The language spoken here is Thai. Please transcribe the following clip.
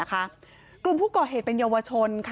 กลุ่มผู้ก่อเหตุเป็นเยาวชน